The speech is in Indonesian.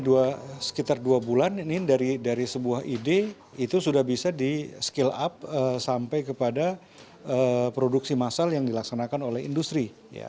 kalau kita lihat ini waktunya hanya sekitar dua bulan ini dari sebuah ide itu sudah bisa di skill up sampai kepada produksi masal yang dilaksanakan oleh industri